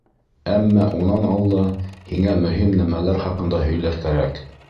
Әммә унан алда һиңә мөһим нәмәләр хаҡында һөйләр кәрәк.